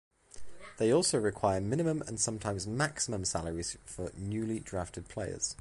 They also require minimum and sometimes maximum salaries for newly drafted players.